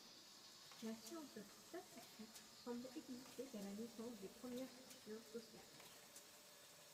La science statistique semble exister dès la naissance des premières structures sociales.